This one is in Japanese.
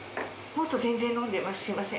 もっと全然飲んでます